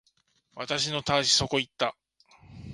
私のたわしそこ行った